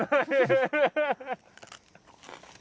ハハハハハ！